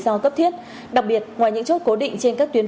anh sẽ lập biên bản của em